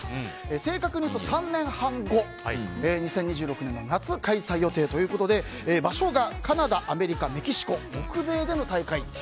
正確にいうと３年半後２０２６年の夏開催予定ということで場所がカナダ、アメリカメキシコ北米での戦い。